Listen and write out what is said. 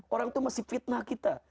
orang itu masih fitnah kita